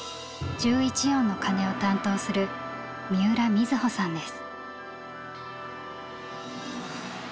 １１音の「鐘」を担当する三浦瑞穂さんです。